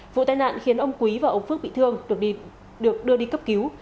vụ tai nạn khiến ông quý và ông phước bị thương được đưa đi cấp cứu